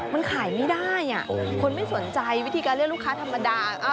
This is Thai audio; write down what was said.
มันขายไม่ได้คนไม่สนใจวิธีการเรียกลูกค้าธรรมดา